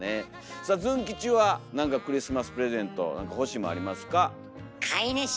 さあズン吉はクリスマスプレゼント何か欲しいもんありますか？